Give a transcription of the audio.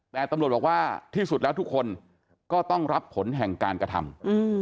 แต่ตำรวจบอกว่าที่สุดแล้วทุกคนก็ต้องรับผลแห่งการกระทำ